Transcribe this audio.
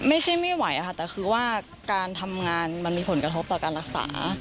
ไม่ไหวค่ะแต่คือว่าการทำงานมันมีผลกระทบต่อการรักษา